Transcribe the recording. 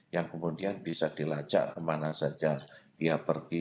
yang kemudian bisa dilacak kemana saja dia pergi